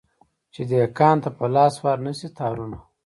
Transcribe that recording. چي دهقان ته په لاس ورنه سي تارونه